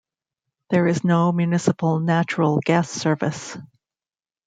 There is no municipal natural gas service.